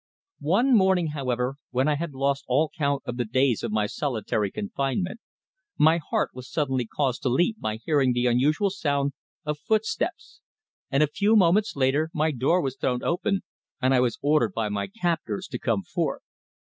One morning, however, when I had lost all count of the days of my solitary confinement, my heart was suddenly caused to leap by hearing the unusual sound of footsteps, and a few moments later my door was thrown open and I was ordered by my captors to come forth.